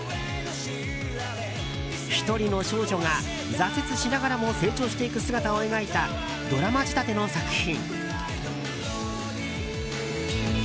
１人の少女が挫折しながらも成長していく姿を描いたドラマ仕立ての作品。